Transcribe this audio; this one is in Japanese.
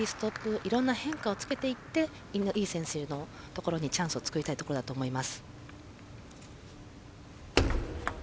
いろんな変化をつけていってチャンスを作りたいところだと思います。